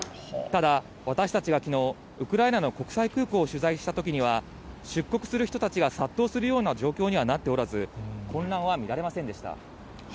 ただ、私たちがきのう、ウクライナの国際空港を取材したときには、出国する人たちが殺到するような状況にはなっておらず、混乱は見